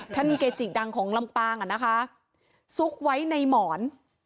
เกจิดังของลำปางอ่ะนะคะซุกไว้ในหมอน